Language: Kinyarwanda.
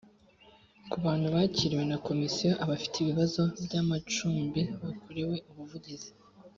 Ku bantu bakiriwe na Komisiyo abafite ibibazo by amacumbi bakorewe ubuvugizi